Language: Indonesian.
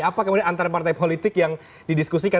apa kemudian antara partai politik yang didiskusikan